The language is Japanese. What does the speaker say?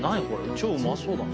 超うまそうだな。